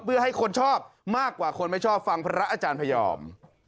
เพื่อให้คนชอบมากกว่าคนไม่ชอบฟังพระอาจารย์พยอม